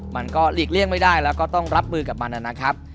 หลีกเลี่ยงไม่ได้แล้วก็ต้องรับมือกับมันนะครับ